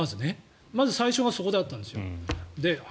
まず最初がそこだったんですよ。